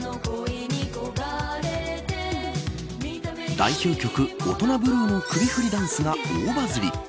代表曲オトナブルーの首振りダンスが大バズり。